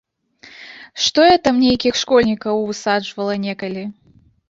Што я там нейкіх школьнікаў высаджвала некалі.